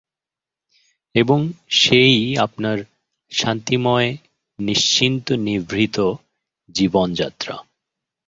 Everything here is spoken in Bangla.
এবং সেই আপনার শান্তিময় নিশ্চিন্ত নিভৃত জীবনযাত্রা।